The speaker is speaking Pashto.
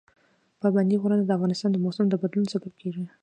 پابندی غرونه د افغانستان د موسم د بدلون سبب کېږي.